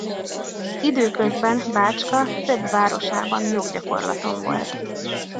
Időközben Bácska több városában joggyakorlaton volt.